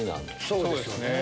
そうですね。